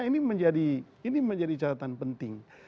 ini menjadi catatan penting